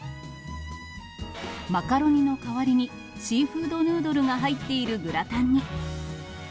マカロニの代わりにシーフードヌードルが入っているグラタンに。